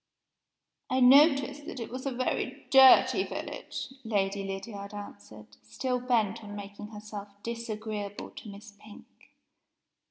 "I noticed that it was a very dirty village," Lady Lydiard answered, still bent on making herself disagreeable to Miss Pink.